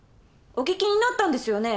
お聞きになったんですよね？